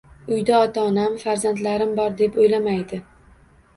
“Uyda ota-onam, farzandlarim bor”, deb o‘ylamaydi.